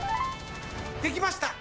できました！